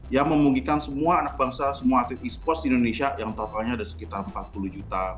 yang memungkinkan semua anak bangsa semua atlet e sports di indonesia yang totalnya ada sekitar empat puluh juta